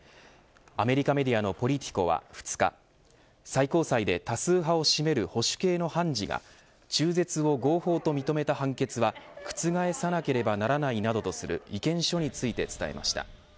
アメリカメディアのポリティコは２日最高裁で多数派を占める保守系の判事が中絶を合法と認めた判決は覆さなければならないなどとする意見書について伝えました。